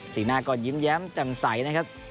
หน้าก็ยิ้มแย้มแจ่มใสนะครับ